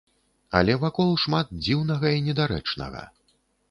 Але вакол шмат дзіўнага і недарэчнага.